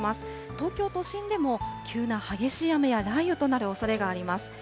東京都心でも、急な激しい雨や雷雨となるおそれがあります。